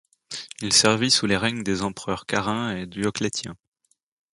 Il servit sous les règnes des empereurs Carin et Dioclétien.